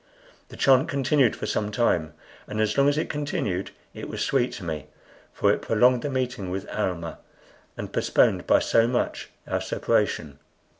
The chant continued for some time, and as long as it continued it was sweet to me; for it prolonged the meeting with Almah, and postponed by so much our separation.